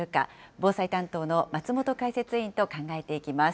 防災担当の松本解説委員と考えていきます。